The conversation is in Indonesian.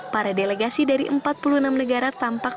para delegasi dari empat puluh enam negara tampak